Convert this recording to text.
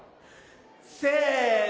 せの。